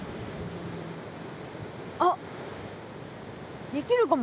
あっできるかも。